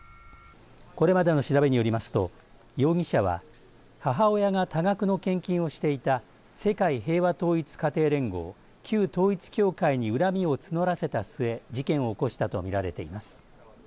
これまでの調べによりますと容疑者は母親が多額の献金をしていた世界平和統一家庭連合、旧統一教会に恨みを募らせた末、事件を起こしたと見られています。